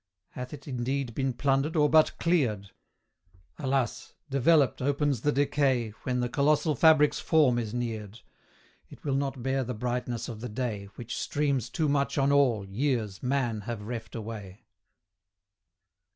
Hath it indeed been plundered, or but cleared? Alas! developed, opens the decay, When the colossal fabric's form is neared: It will not bear the brightness of the day, Which streams too much on all, years, man, have reft away.